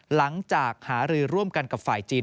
หลังจากหารือร่วมกันกับฝ่ายจีน